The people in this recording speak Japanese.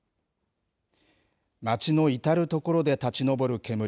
町の至る所で立ち上る煙。